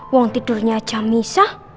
uang tidurnya aja misah